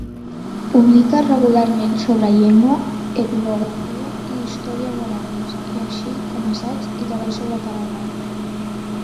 Publica regularment sobre llengua, etnografia i història guaranís, així com assaigs i treballs sobre Paraguai.